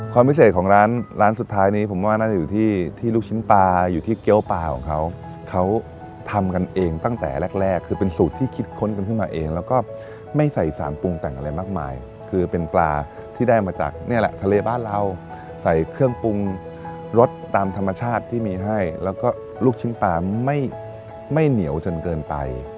ความพิเศษของร้านร้านสุดท้ายนี้ผมว่าน่าจะอยู่ที่ที่ลูกชิ้นปลาอยู่ที่เกี้ยวปลาของเขาเขาทำกันเองตั้งแต่แรกแรกคือเป็นสูตรที่คิดค้นกันขึ้นมาเองแล้วก็ไม่ใส่สารปรุงแต่งอะไรมากมายคือเป็นปลาที่ได้มาจากนี่แหละทะเลบ้านเราใส่เครื่องปรุงรสตามธรรมชาติที่มีให้แล้วก็ลูกชิ้นปลาไม่เหนียวจนเกินไป